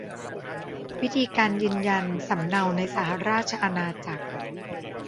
วิธีการยืนยันสำเนาในสหราชอาณาจักร